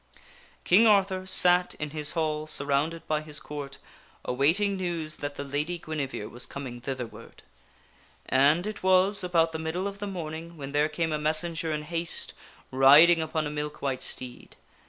King Arthur sat in his hall surrounded by his Court awaiting news that the Lady Guinevere was coming thitherward. And it was about the middle of the morning when there came a messenger in haste riding upon a milk white steed.